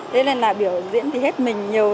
thế nên là biểu diễn thì hết mình nhiều